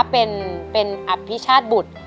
เป็นอภิชาติบุตร